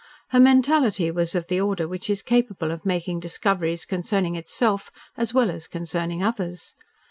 Her mentality was of the order which is capable of making discoveries concerning itself as well as concerning others.